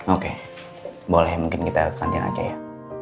oke boleh mungkin kita kantin aja ya